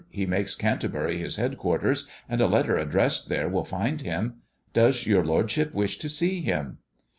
He makes Canterbury his headquarters, and a letter addressed there will And him. Does your lordship wish to see him?"